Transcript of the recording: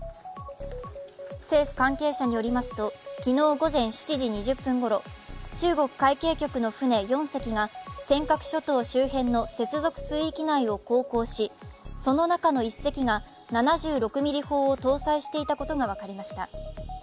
政府関係者によりますと昨日午前７時２０分ごろ、中国海警局の舟４隻が尖閣諸島周辺の接続水域内を航行し、その中の１隻が７６ミリ砲を搭載していたことが分かりました。